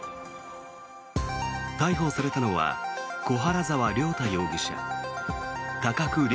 逮捕されたのは小原澤亮太容疑者高久莉